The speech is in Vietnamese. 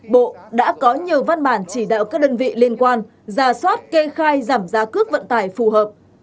bộ đã có nhiều văn bản chỉ đạo các đơn vị liên quan ra soát kê khai giảm giá cước vận tải phù hợp